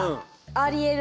ありえる。